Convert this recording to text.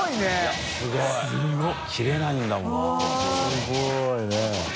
すごいね。